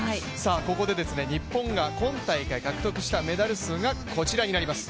ここで日本が今大会獲得したメダル数がこちらになります。